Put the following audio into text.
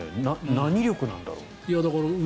何力なんだろう？